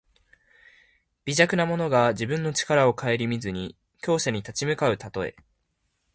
微弱な者が自分の力をかえりみずに強者に立ち向かうたとえ。